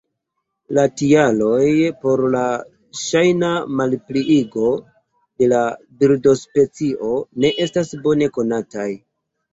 La tialoj por la ŝajna malpliigo de la birdospecio ne estas bone konataj.